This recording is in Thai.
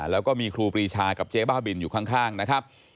แล้วก็มีครูปรีชากับเจ๊บ้าบินอยู่ข้างนะครับ